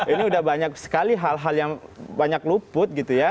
ini udah banyak sekali hal hal yang banyak luput gitu ya